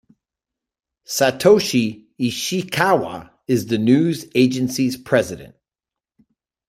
Satoshi Ishikawa is the news agency's president.